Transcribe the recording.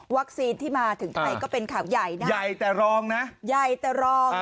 ที่มาถึงไทยก็เป็นข่าวใหญ่นะใหญ่แต่รองนะใหญ่แต่รอง